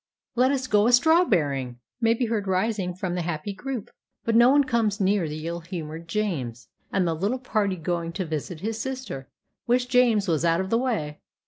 "Let us go a strawberrying!" may be heard rising from the happy group. But no one comes near the ill humored James, and the little party going to visit his sister "wish James was out of the way."